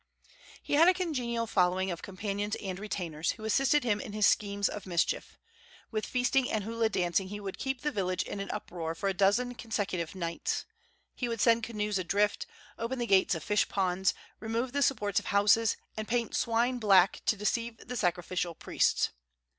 He had a congenial following of companions and retainers, who assisted him in his schemes of mischief. With feasting and hula dancing he would keep the village in an uproar for a dozen consecutive nights. He would send canoes adrift, open the gates of fish ponds, remove the supports of houses, and paint swine black to deceive the sacrificial priests.